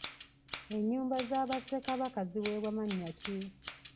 Enyumba za Bassekabaka ziweebwa mannya ki?